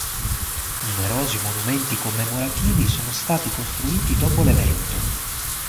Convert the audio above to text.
Numerosi monumenti commemorativi sono stati costruiti dopo l'evento.